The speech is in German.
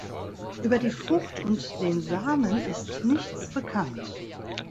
Über die Frucht und den Samen ist nichts bekannt.